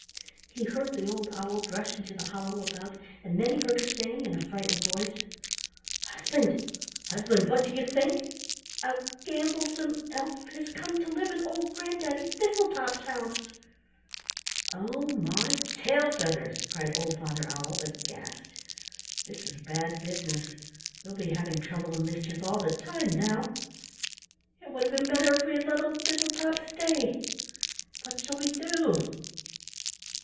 He heard the old owl brush into the hollow above, and then he heard her saying in a frightened voice: "Husband, husband, what do you think! A gamblesome elf has come to live in old Granddaddy Thistletop's house." "Oh, my tail feathers!" cried old Father Owl aghast. "This is bad business; we'll be having trouble and mischief all the time now. It would have been better if we had let old Thistletop stay. What shall we do?" "Do!